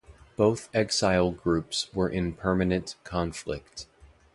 Both exile groups were in permanent conflict.